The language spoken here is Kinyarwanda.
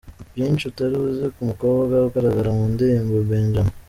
Byinshi utari uzi ku mukobwa ugaragara mu ndirimbo Benjame